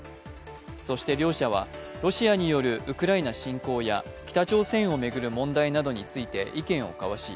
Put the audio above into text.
そして両者はロシアによるウクライナ侵攻や北朝鮮を巡る問題について意見を交わし